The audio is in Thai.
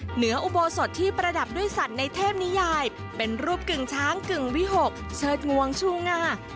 อุโบสถที่ประดับด้วยสัตว์ในเทพนิยายเป็นรูปกึ่งช้างกึ่งวิหกเชิดงวงชูงา